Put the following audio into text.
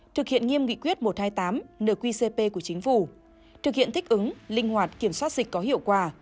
thực hiện nghiêm nghị quyết một trăm hai mươi tám nqcp của chính phủ thực hiện thích ứng linh hoạt kiểm soát dịch có hiệu quả